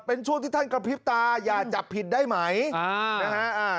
เป็นช่วงที่ท่านกระพริบตาอย่าจับผิดได้ไหมอ่านะฮะ